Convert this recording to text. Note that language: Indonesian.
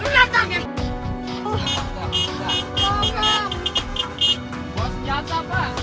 lu datang ya